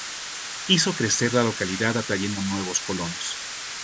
Hizo crecer la localidad atrayendo nuevos colonos.